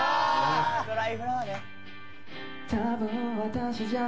『ドライフラワー』ね。